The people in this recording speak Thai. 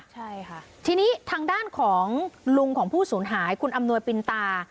ใช่ค่ะทีนี้ทางด้านของลุงของผู้สูญหายคุณอำนวยปินตา